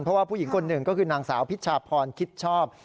เพราะว่าผู้หญิงคนหนึ่งก็คือนางสาวพิชาพรคิดชอบ